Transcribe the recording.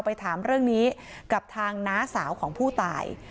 ไปถามเรื่องนี้กับทางน้าสาวของผู้ตาย